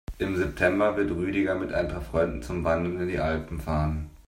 Im September wird Rüdiger mit ein paar Freunden zum Wandern in die Alpen fahren.